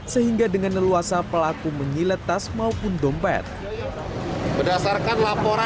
sehingga dengan leluasa pelaku menjelaskan